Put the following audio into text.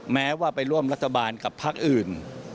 แม้ว่าไปร่วมรัฐบาลกับพักอื่น